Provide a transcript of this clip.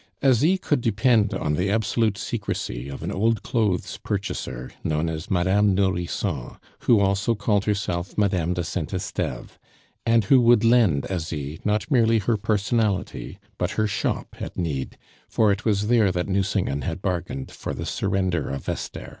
Asie could depend on the absolute secrecy of an old clothes purchaser, known as Madame Nourrisson, who also called herself Madame de Saint Esteve; and who would lend Asie not merely her personality, but her shop at need, for it was there that Nucingen had bargained for the surrender of Esther.